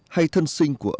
hay thân sinh của ông